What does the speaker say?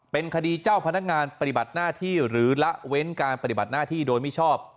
เป็นคดีเจ้าพนักงานปฏิบัติหน้าที่หรือละเว้นการปฏิบัติหน้าที่โดยมิชอบ